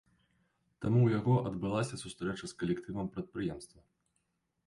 Там у яго адбылася сустрэча з калектывам прадпрыемства.